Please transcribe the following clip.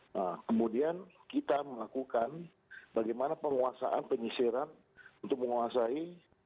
nah kemudian kita melakukan bagaimana penguasaan penyisiran untuk menguasai